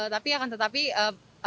tapi akan tetapi pak